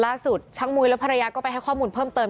ช้างมุยและภรรยาก็ไปให้ข้อมูลเพิ่มเติม